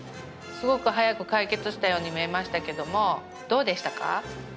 すごく早く解決したように見えましたけどもどうでしたか？